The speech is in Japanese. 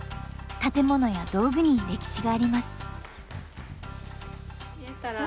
建物や道具に歴史があります。